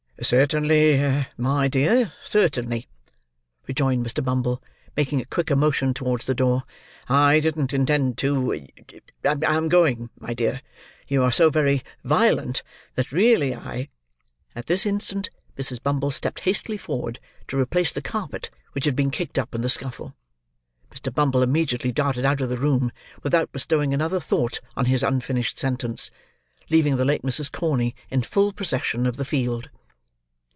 "Certainly, my dear, certainly," rejoined Mr. Bumble, making a quicker motion towards the door. "I didn't intend to—I'm going, my dear! You are so very violent, that really I—" At this instant, Mrs. Bumble stepped hastily forward to replace the carpet, which had been kicked up in the scuffle. Mr. Bumble immediately darted out of the room, without bestowing another thought on his unfinished sentence: leaving the late Mrs. Corney in full possession of the field.